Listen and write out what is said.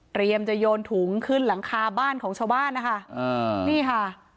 จะโยนถุงขึ้นหลังคาบ้านของชาวบ้านนะคะอ่านี่ค่ะ